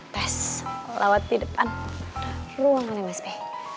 lewat di depan ruangannya mas be